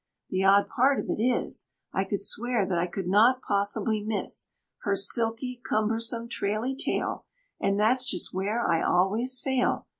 The odd part of it is, I could swear that I could not possibly miss Her silky, cumbersome, traily tail, And that's just where I always fail.